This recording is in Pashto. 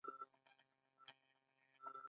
د ایران خلک میړني دي.